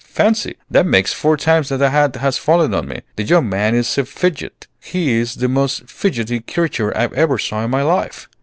Fancy! that makes four times that hat has fallen on me. The young man is a feedgit! He's the most feegitty creature I ever saw in my life."